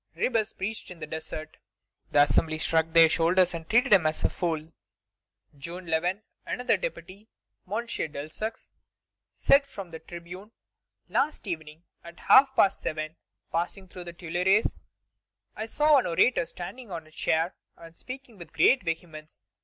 Ribes preached in the desert. The Assembly shrugged their shoulders and treated him as a fool. June 11, another deputy, M. Delsaux, said from the tribune: "Last evening, at half past seven, passing through the Tuileries, I saw an orator standing on a chair and speaking with great vehemence.